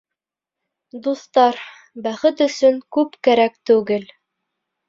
Дуҫтар, бәхет өсөн күп кәрәк түгел.